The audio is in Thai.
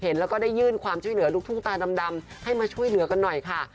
แล้วก็ได้ยื่นความช่วยเหลือลูกทุ่งตาดำให้มาช่วยเหลือกันหน่อยค่ะ